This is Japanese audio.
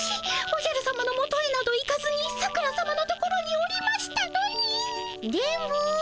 おじゃるさまのもとへなど行かずに桜さまのところにおりましたのに。